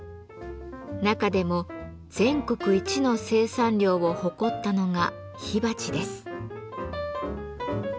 中でも全国一の生産量を誇ったのが火鉢です。